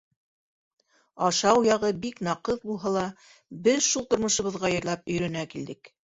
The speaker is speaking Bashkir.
Ашау яғы бик наҡыҫ булһа ла, беҙ шул тормошобоҙға яйлап өйрәнә килдек.